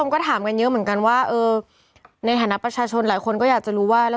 ก็ถามกันเยอะเหมือนกันว่าเออในฐานะประชาชนหลายคนก็อยากจะรู้ว่า